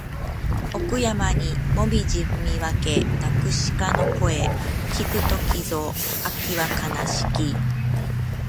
奥山にもみぢ踏み分け鳴く鹿の声聞く時ぞ秋は悲しき